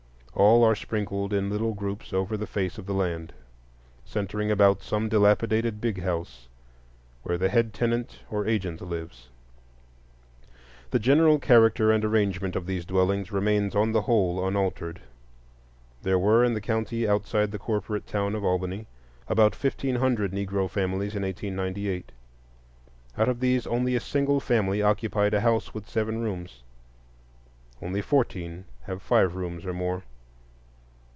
All are sprinkled in little groups over the face of the land, centering about some dilapidated Big House where the head tenant or agent lives. The general character and arrangement of these dwellings remains on the whole unaltered. There were in the county, outside the corporate town of Albany, about fifteen hundred Negro families in 1898. Out of all these, only a single family occupied a house with seven rooms; only fourteen have five rooms or more.